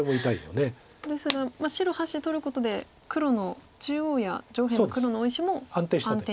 ですが白８子取ることで中央や上辺の黒の大石も安定したと。